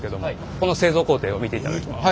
この製造工程を見ていただきます。